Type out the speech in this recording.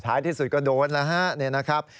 ท้ายที่สุดก็โดนอ่ะนี่นะครับ